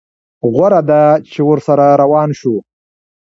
غوره ده چې ورسره روان شو.